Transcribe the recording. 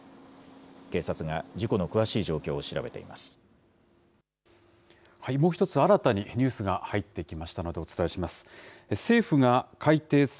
警察が事故の詳しい状況を調べてもう１つ新たにニュースが入ってきましたのでお伝えします。